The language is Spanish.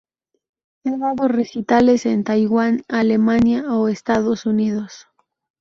Ha dado recitales en Taiwán, Alemania o Estados Unidos.